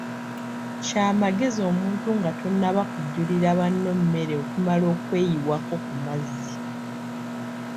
Ky'amagezi omuntu nga tonnaba kujjulira banno mmere okumala okweyiwako ku mazzi.